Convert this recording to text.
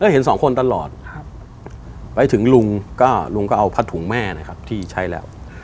แล้วเห็นสองคนตลอดไปถึงลุงก็เอาพัดถุงแม่นะครับที่ใช้แล้ว